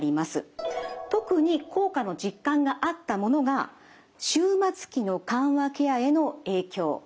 特に効果の実感があったものが終末期の緩和ケアへの影響